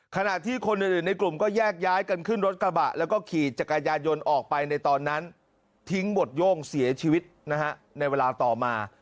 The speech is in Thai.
ขณะที่คนอื่นในกลุ่มก็แยกย้ายกันขึ้นรถกระบะแล้วก็ขี่จักรยานยนต์ออกไปในตอนนั้นทิ้งบทโย่งเสียชีวิตนะฮะในเวลาต่อมา